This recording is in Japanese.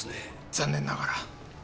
残念ながら。